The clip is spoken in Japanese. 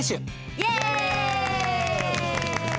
イエイ！